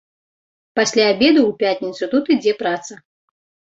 Пасля абеду ў пятніцу тут ідзе праца.